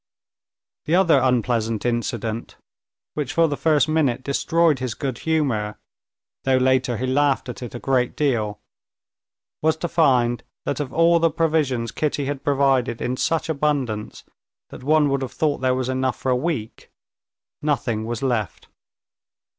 The other unpleasant incident, which for the first minute destroyed his good humor, though later he laughed at it a great deal, was to find that of all the provisions Kitty had provided in such abundance that one would have thought there was enough for a week, nothing was left.